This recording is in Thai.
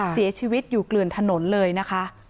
เสียชีวิตอยู่เกลือนถนนเลยนะคะ